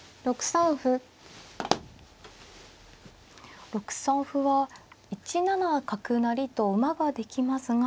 ６三歩は１七角成と馬ができますが。